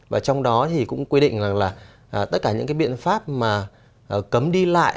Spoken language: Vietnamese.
và trong đó thì cũng quy định rằng là tất cả những cái biện pháp mà cấm đi lại